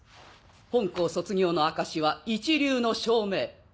本校卒業の証しは一流の証明。